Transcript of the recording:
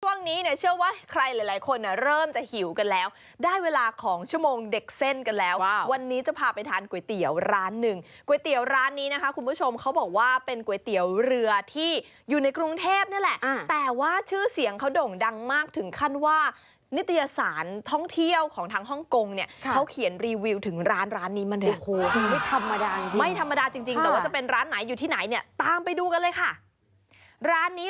ช่วงนี้ในช่วงนี้ในช่วงนี้ในช่วงนี้ในช่วงนี้ในช่วงนี้ในช่วงนี้ในช่วงนี้ในช่วงนี้ในช่วงนี้ในช่วงนี้ในช่วงนี้ในช่วงนี้ในช่วงนี้ในช่วงนี้ในช่วงนี้ในช่วงนี้ในช่วงนี้ในช่วงนี้ในช่วงนี้ในช่วงนี้ในช่วงนี้ในช่วงนี้ในช่วงนี้ในช่วงนี้